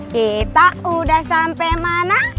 kita udah sampai mana